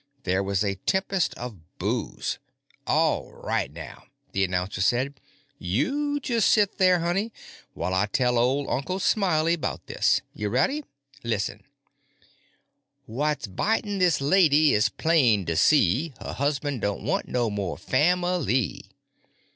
There was a tempest of boos. "Awright, now," the announcer said, "you just sit there, honey, while I tell ol' Uncle Smiley about this. Ya ready? Listen: "What's bitin' this lady is plain to see: Her husband don't want no more family!"